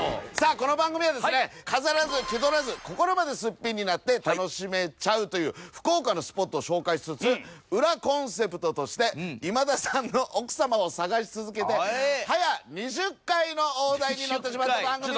この番組はですね飾らず気取らず心まですっぴんになって楽しめちゃうという福岡のスポットを紹介しつつ裏コンセプトとして今田さんの奥さまを探し続けてはや２０回の大台に乗ってしまった番組です。